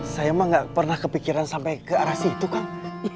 saya emang gak pernah kepikiran sampai ke arah situ kang